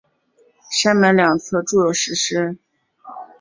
山门两侧筑有石狮。